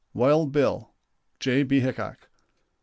"WILD BILL" (J. B. HICKOK).